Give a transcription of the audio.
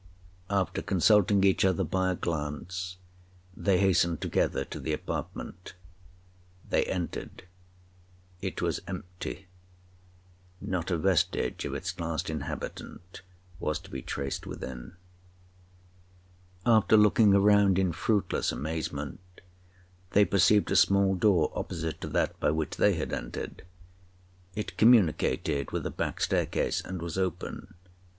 After consulting each other by a glance, they hastened together to the apartment. They entered—it was empty—not a vestige of its last inhabitant was to be traced within. After looking around in fruitless amazement, they perceived a small door opposite to that by which they had entered. It communicated with a back staircase, and was open.